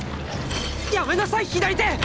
やめなさい左手！！